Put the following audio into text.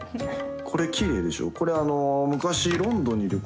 これ、きれいでしょう？